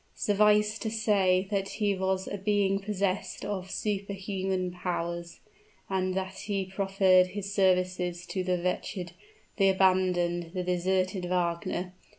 Suffice it to say that he was a being possessed of superhuman powers, and that he proffered his services to the wretched the abandoned the deserted Wagner.